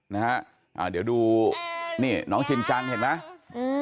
นะฮะอ่าเดี๋ยวดูนี่น้องชินจังเห็นไหมอืม